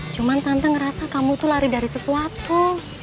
cuman tante ngerasa kamu tuh lari dari sesuatu